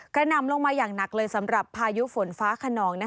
หนำลงมาอย่างหนักเลยสำหรับพายุฝนฟ้าขนอง